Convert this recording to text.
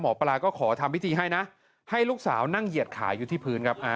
หมอปลาก็ขอทำพิธีให้นะให้ลูกสาวนั่งเหยียดขาอยู่ที่พื้นครับ